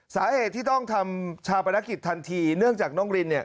สาเหตุที่ต้องทำชาปนกิจทันทีเนื่องจากน้องรินเนี่ย